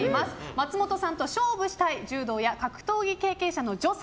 松本さんと勝負したい柔道や格闘技経験者の女性